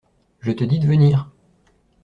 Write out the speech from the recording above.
Je te dis de venir.